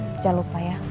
jangan lupa ya